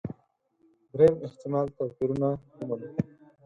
درېیم احتمال توپيرونه ومنو.